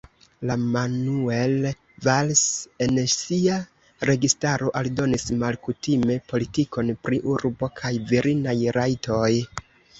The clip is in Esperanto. La Manuel Valls en sia registaro aldonis malkutime politikon pri urbo kaj virinaj rajtoj.